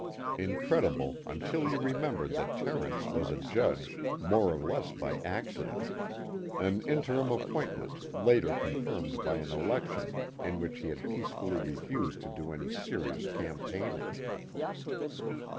Incredible until you remembered that Terence was a judge more or less by accident, an interim appointment later confirmed by an election in which he had peacefully refused to do any serious campaigning.